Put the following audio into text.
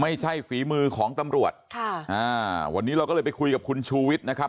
ฝีมือของตำรวจค่ะอ่าวันนี้เราก็เลยไปคุยกับคุณชูวิทย์นะครับ